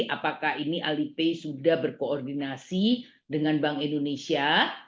apakah ini alipai sudah berkoordinasi dengan bank indonesia